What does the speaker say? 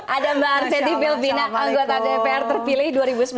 ada mbak arzethi pilvina anggota dpr terpilih dua ribu sembilan belas dua ribu dua puluh empat